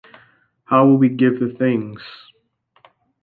How will we give the things?